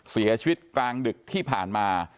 เสียชีวิตกลางดึกที่ผ่านมา